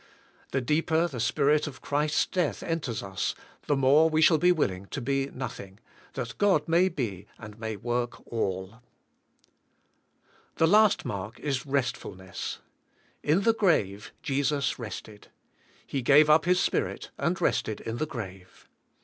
The deeper the Spirit of Christ's death enters us, the more we shall be willing to be nothing, that God may be and may work all. The last mark is restfulness. In the grave Jesus rested. He gave up His Spirit and rested in the 202 THE SPIRITUAL LIF^. grave.